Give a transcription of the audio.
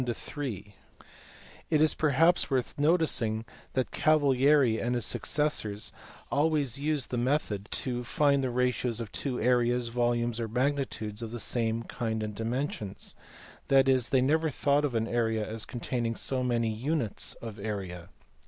It is perhaps worth noticing that Cavalieri and his suc cessors always used the method to find the ratios of two areas, volumes, or magnitudes of the same kind and dimensions, that is, they never thought of an area as containing so many units of area.